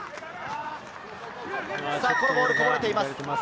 ボールがこぼれています。